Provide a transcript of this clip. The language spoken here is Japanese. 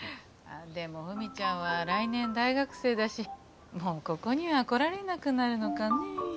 でもフミちゃんは来年大学生だしもうここには来られなくなるのかねえ。